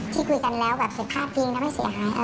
ที่คุยกันแล้วแบบเสร็จพลาดเพียงแล้วไม่เสียหาย